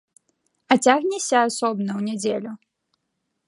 А цягнешся асобна, у нядзелю?